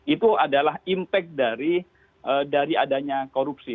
itu adalah impact dari adanya korupsi